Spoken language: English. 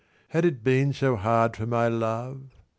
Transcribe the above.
Had it been so hard for my love?